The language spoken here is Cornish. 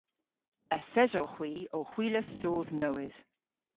Yth esowgh hwi ow hwilas soodh nowydh.